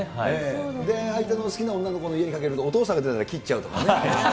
相手の好きな女の子の家で、お父さんが出たら切っちゃうとかね。